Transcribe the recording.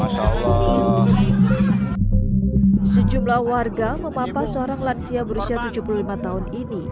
sejumlah warga memapa seorang lansia berusia tujuh puluh lima tahun ini